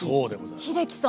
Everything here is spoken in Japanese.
英樹さん